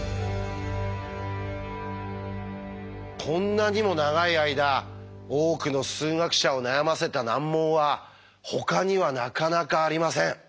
こんなにも長い間多くの数学者を悩ませた難問はほかにはなかなかありません。